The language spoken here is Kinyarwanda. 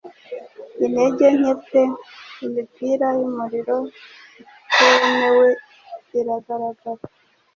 intege nke pe imipira yumuriro itemewe iragaragara.